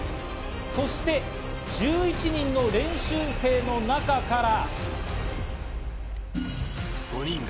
そして１１人の練習生の中から。